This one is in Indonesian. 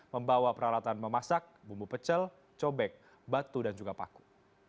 membawa peralatan memasak bumbu pecel cobek batu dan juga paku